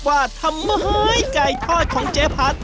ว่าทำมาหายไก่ทอดของเจ๊ภัษ